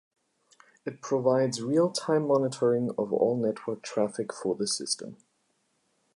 It provides real-time monitoring of all network traffic for the system.